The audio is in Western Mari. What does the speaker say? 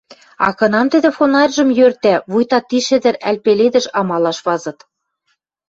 А кынам тӹдӹ фонарьжым йӧртӓ, вуйта ти шӹдӹр ӓль пеледӹш амалаш вазыт.